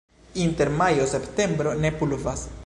Inter majo-septembro ne pluvas.